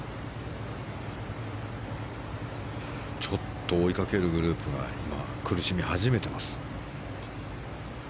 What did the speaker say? ちょっと追いかけるグループが苦しみ始めています。